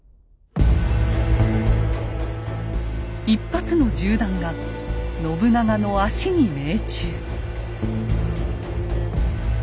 一発の銃弾が信長の足に命中。